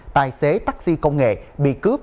tài xế taxi công nghệ bị cướp